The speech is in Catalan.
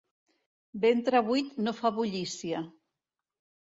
Ventre buit no fa bullícia.